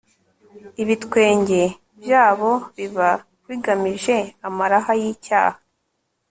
ibitwenge byabo biba bigamije amaraha y'icyaha